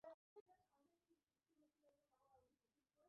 Delta রশ্মি শব্দটি J J Thomson সর্বপ্রথম ব্যবহার করেছিলেন।